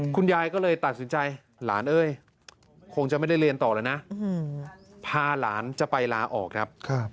คุณยายก็เลยตัดสินใจหลานเอ้ยคงจะไม่ได้เรียนต่อแล้วนะพาหลานจะไปลาออกครับ